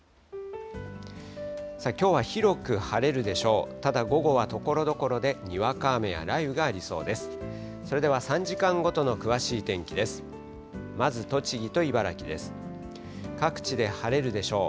きょうは広く晴れるでしょう。